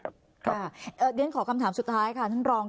เรียนขอคำถามสุดท้ายค่ะท่านรอง